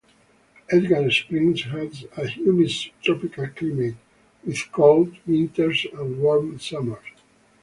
Edgar Springs has a humid subtropical climate with cold winters and warm summers.